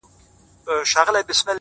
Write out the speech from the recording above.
خدای په ژړا دی؛ خدای پرېشان دی؛